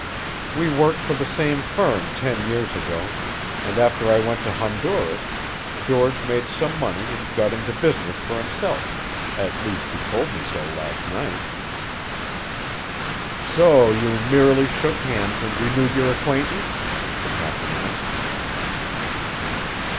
We worked for the same firm ten years ago, and after I went to Honduras, George made some money and got into business for himself; at least he told me so last night." "So you merely shook hands and renewed your acquaintance?" the captain asked.